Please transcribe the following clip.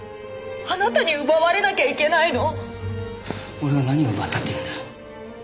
俺が何を奪ったっていうんだ？